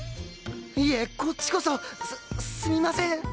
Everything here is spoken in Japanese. いえこっちこそすすみません！